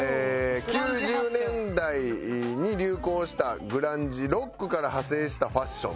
９０年代に流行したグランジロックから派生したファッション。